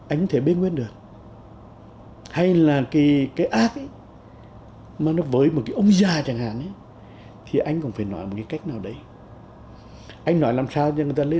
anh không có cách nói nào đấy